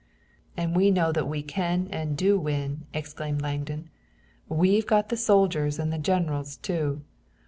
"And we know that we can and do win!" exclaimed Langdon. "We've got the soldiers and the generals, too.